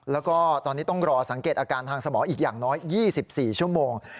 แล้วก็ตอนนี้ต้องรอสังเกตอาการทางสมองอีกอย่างน้อย๒๔ชั่วโมง